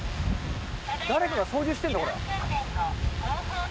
誰かが操縦してるんだ、これ。